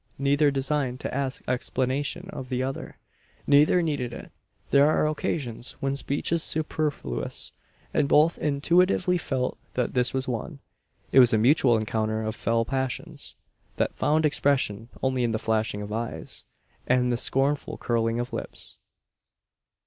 Neither deigned to ask explanation of the other; neither needed it. There are occasions when speech is superfluous, and both intuitively felt that this was one. It was a mutual encounter of fell passions; that found expression only in the flashing of eyes, and the scornful curling of lips.